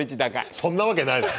そんなわけないだろ。